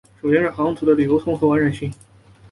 首先是航图的流通和完整性。